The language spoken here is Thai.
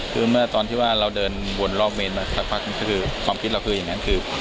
คือเมื่อตอนที่ว่าเราเดินวนรอบเมนมาสักพักหนึ่งก็คือความคิดเราคืออย่างนั้นคือ